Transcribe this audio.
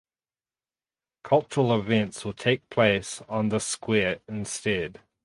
Cultural events will take place on the square instead.